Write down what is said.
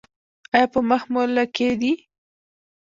ایا په مخ مو لکې دي؟